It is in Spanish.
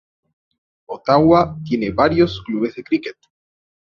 Ottawa tiene varios clubes de cricket.